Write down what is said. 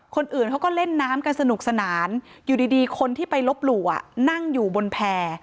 คนอื่นเขาก็เล่นน้ำกันสนุกสนานอยู่ดีคนที่ไปลบหลู่นั่งอยู่บนแพร่